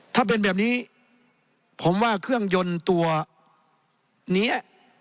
ถ้าเป็นแบบนี้ผมว่าเครื่องยนต์ตัวนี้